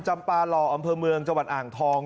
จำปาหล่ออำเภอเมืองจังหวัดอ่างทอง